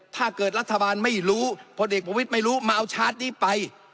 ถ้าเกิดรัฐบาลไม่รู้พลเอกประวิทย์ไม่รู้มาเอาชาร์จนี้ไป